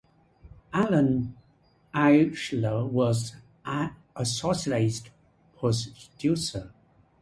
Alan Eichler was associate producer.